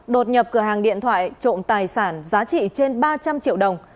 đột nhập cửa hàng điện thoại trộm tài sản giá trị trên ba trăm linh triệu đồng